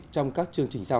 trong các chương trình sau